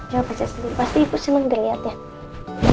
coba baca sendiri pasti ibu senang dilihat ya